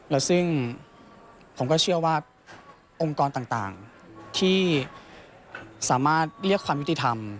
และซึ่งผมก็เชื่อว่าองค์กรต่างที่สามารถเรียกความยุติธรรม